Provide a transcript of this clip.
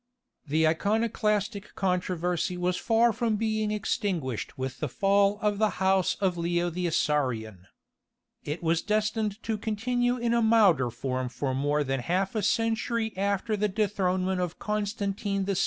The Iconoclastic controversy was far from being extinguished with the fall of the house of Leo the Isaurian. It was destined to continue in a milder form for more than half a century after the dethronement of Constantine VI.